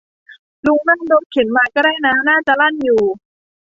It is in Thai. ลุงนั่งรถเข็นมาก็ได้นะ น่าจะลั่นอยู่